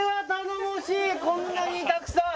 こんなにたくさん！